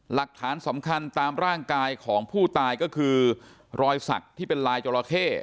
หลักฐานสำคัญตามร่างกายของผู้ตายก็คือรอยสักที่เป็นลายจราเข้